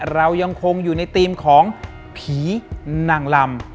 เรายังคงอยู่ในธีมของผีนางลำ